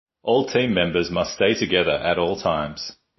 All team members must stay together at all times.